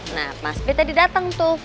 nah mas be tadi dateng tuh